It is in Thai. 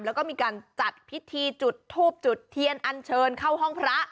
แล้วก็มีการจัดพิธีจุดทูบจุดเทียนอันเชิญเข้าห้องพระ